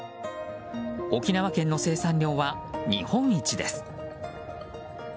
沖縄県の生産量は日本一です。